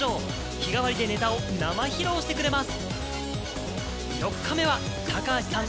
日替わりでネタを生披露してくれます。